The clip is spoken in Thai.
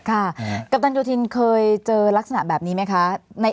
กัปตันโยธินเคยเจอลักษณะแบบนี้ไหมคะ